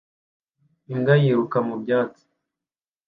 Imbwa yiruka mu byatsi